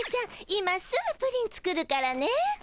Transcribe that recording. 今すぐプリン作るからね。